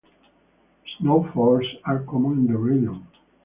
Snowfalls are common in the region.